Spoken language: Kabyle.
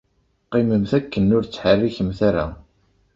Qqimemt akken ur ttḥerrikemt ara.